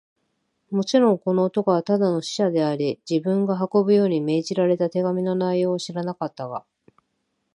もちろん、この男はただの使者であり、自分が運ぶように命じられた手紙の内容を知らなかったが、